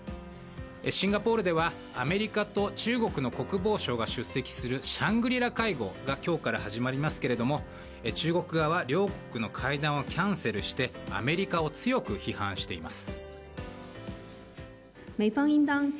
シンガポールではアメリカと中国の国防相が出席するシャングリラ会合が今日から始まりますが中国側は両国の会談をキャンセルしてアメリカを強く批判しています。